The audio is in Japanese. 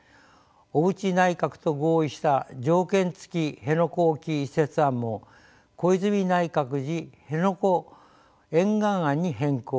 小渕内閣と合意した条件付き辺野古沖移設案も小泉内閣時辺野古沿岸案に変更。